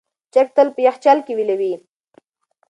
چرګ تل په یخچال کې ویلوئ.